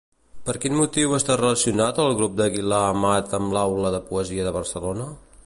Per quin motiu està relacionat el grup d'Aguilar-Amat amb l'Aula de Poesia de Barcelona?